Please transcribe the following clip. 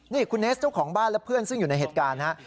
นี่คุณเนสเจ้าของบ้านและเพื่อนซึ่งอยู่ในเหตุการณ์ฮะ